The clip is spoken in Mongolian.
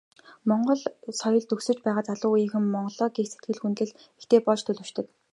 Монгол соёлд өсөж байгаа залуу үеийнхэн Монголоо гэх сэтгэл, хүндэтгэл ихтэй болж төлөвшдөг.